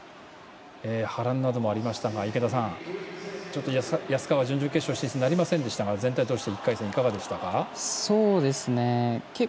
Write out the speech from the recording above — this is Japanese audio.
波乱などもありましたが池田さん、安川は準々決勝進出になりませんでしたが全体として、１回戦はいかがでしたか？